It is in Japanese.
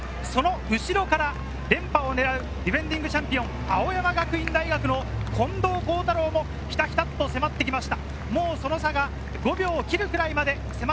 ４位集団は３人ですが、その後ろから連覇をねらうディフェンディングチャンピオン、青山学院大学の近藤幸太郎もひたひたと迫ってきました。